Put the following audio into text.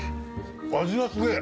味がすげえ。